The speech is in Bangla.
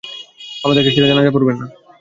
আমাদেরকে ছেড়ে জানাযা পড়বেন না।